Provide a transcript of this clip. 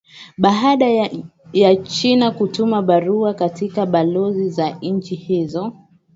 baada ya china kutuma barua katika balozi za nchi hizo